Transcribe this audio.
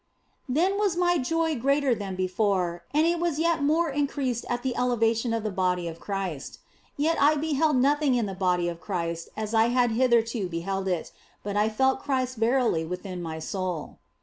Then was my joy greater than before, and it was yet more increased at the elevation of the Body of Christ. Yet I beheld nothing in the Body of Christ as I had hitherto beheld it, but I felt Christ verily within my soul.